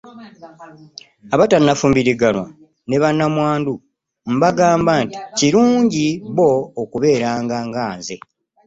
Abatannafumbiriganwa ne bannamwandu mbagamba nti Kirungi bo okubeeranga nga nze.